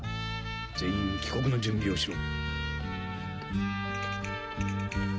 全員帰国の準備をしろ。